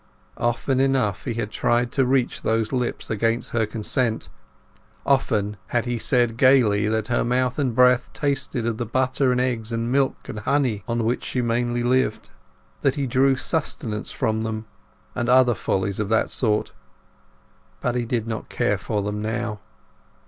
Often enough had he tried to reach those lips against her consent—often had he said gaily that her mouth and breath tasted of the butter and eggs and milk and honey on which she mainly lived, that he drew sustenance from them, and other follies of that sort. But he did not care for them now.